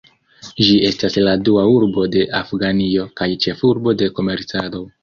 Ĝi estas la dua urbo de Afganio kaj ĉefurbo de komercado.